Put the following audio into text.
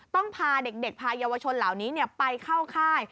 ต้องพาเด็กพาเยาวชนเหล่านี้ไปเข้าค่าย